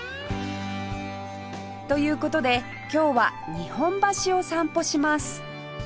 という事で今日は日本橋を散歩します